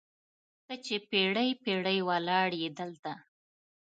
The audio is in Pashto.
ته چې پیړۍ، پیړۍ ولاړیې دلته